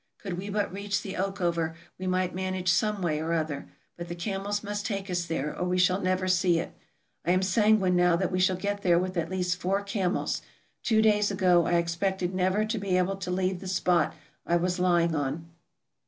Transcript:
Could we but reach the Oakover, we might manage some way or other; but the camels must take us there, or we shall never see it. I am sanguine now that we shall get there with at least four camels ; two days ago I expected never to be able to leave the spot I was lying on.